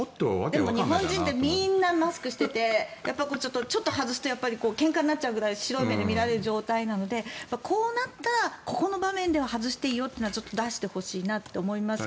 でも日本人ってみんなマスクしていてちょっと外すとけんかになっちゃうくらい白い目で見られる状態なのでこうなったらこの場面では外していいよってちょっと出してほしいなと思います。